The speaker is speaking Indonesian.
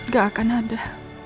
gak akan ada